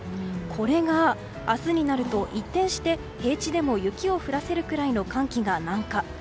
これが明日になると一転して平地でも雪を降らせるくらいの寒気が南下。